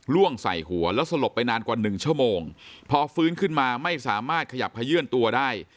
ใส่หัวแล้วสลบไปนานกว่าหนึ่งชั่วโมงพอฟื้นขึ้นมาไม่สามารถขยับขยื่นตัวได้